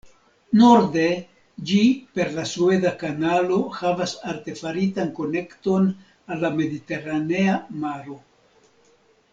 Norde ĝi per la Sueza kanalo havas artefaritan konekton al la Mediteranea Maro.